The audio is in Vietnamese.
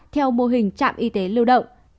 theo mô hình trạm y tế lưu động